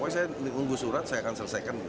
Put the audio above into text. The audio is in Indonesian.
saya menunggu surat saya akan selesaikan